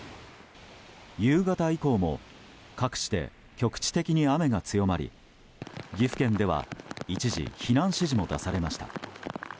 夕方以降も各地で局地的に雨が強まり岐阜県では一時避難指示も出されました。